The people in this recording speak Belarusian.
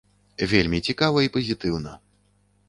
Вельмі цікава і пазітыўна.